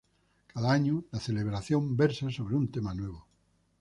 Cada año la celebración versa sobre un tema nuevo.